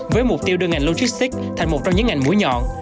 với mục tiêu đưa ngành logistics thành một trong những ngành mũi nhọn